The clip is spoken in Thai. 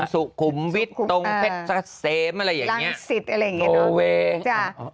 กับสุขุมวิตร์ตรงเพศเซเมอร์อะไรอย่างแบบนี้